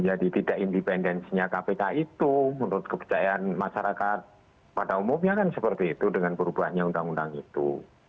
tidak independensinya kpk itu menurut kepercayaan masyarakat pada umumnya kan seperti itu dengan berubahnya undang undang itu